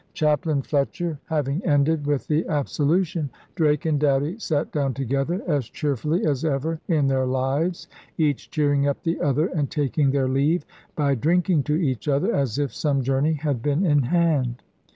' Chaplain Fletcher having ended with the absolution, Drake and Doughty sat down together *as cheerfully as ever in their lives, each cheering up the other and taking their leave by drinking to each other, as if some journey had been in hand.'